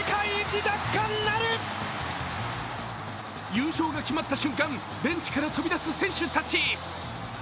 優勝が決まった瞬間、ベンチから飛び出す選手たち。